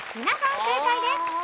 皆さん正解です。